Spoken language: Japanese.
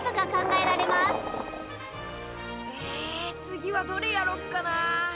え次はどれやろっかな。